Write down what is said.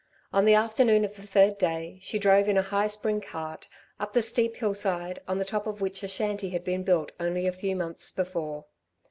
On the afternoon of the third day, she drove in a high spring cart, up the steep hillside, on the top of which a shanty had been built only a few months before.